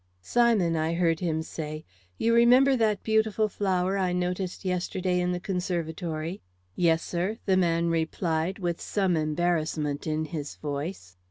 "Simon," I heard him say, "you remember that beautiful flower I noticed yesterday in the conservatory?" "Yes, sir," the man replied, with some embarrassment in his voice.